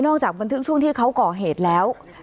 จากบันทึกช่วงที่เขาก่อเหตุแล้ว